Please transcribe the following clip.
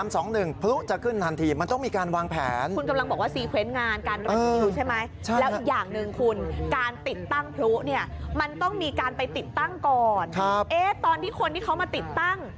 ตอนที่คนที่เขามาติดตั้ง